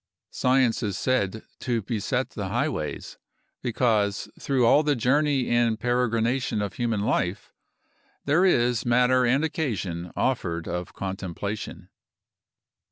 Science is said to beset the highways, because through all the journey and peregrination of human life there is matter and occasion offered of contemplation.